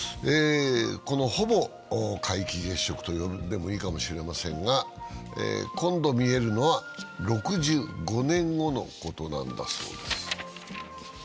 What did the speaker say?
ほぼ皆既月食と呼んでもいいかもしれませんが、今度見えるのは６５年後のことなんだそうです。